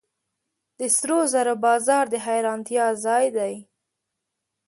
د سرو زرو بازار د حیرانتیا ځای دی.